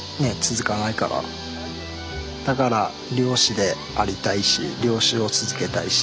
だから漁師でありたいし漁師を続けたいし。